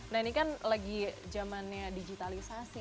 nah ini kan lagi zamannya digitalisasi